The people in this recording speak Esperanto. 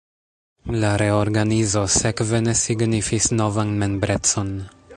La reorganizo sekve ne signifis novan membrecon.